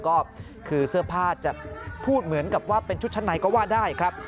ก็คือเสื้อผ้าจะพูดเหมือนกับว่าเป็นชุดชั้นในก็ว่าได้ครับ